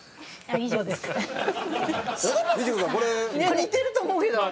似てると思うけど。